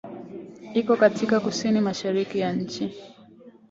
Iko katika kusini-mashariki ya nchi.